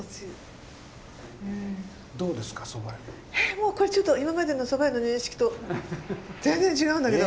もうこれちょっと今までの蕎麦湯の認識と全然違うんだけど。